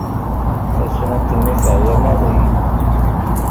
Tasɣunt-nni teɛya maḍi.